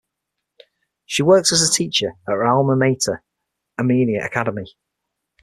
She worked as a teacher at her alma mater, Amenia Academy.